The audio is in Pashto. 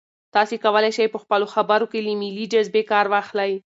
تاسي کولای شئ په خپلو خبرو کې له ملي جذبې کار واخلئ.